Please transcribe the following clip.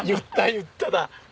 言っただ。